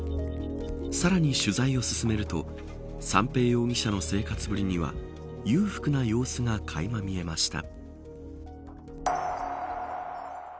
さらに取材を進めると三瓶容疑者の生活ぶりには裕福な様子が垣間見えました。